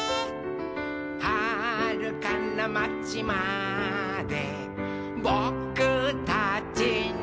「はるかなまちまでぼくたちの」